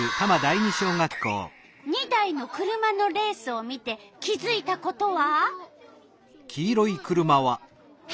２台の車のレースを見て気づいたことは？